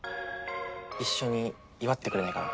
一緒に祝ってくれないかな。